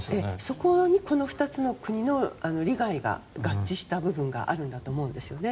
そこはこの２つの国の利害が合致した部分があるんだと思うんですよね。